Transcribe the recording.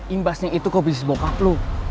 imbasnya itu ke bisnis bokap lo